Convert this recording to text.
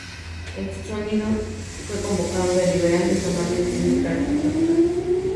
El sínodo fue convocado deliberar y tomar decisiones de carácter pastoral.